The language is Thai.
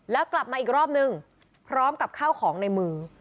แล้วกลับมาอีกรอบนึงพร้อมกับข้าวของในมือ